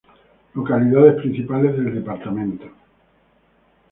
Localidades principales del Departamento.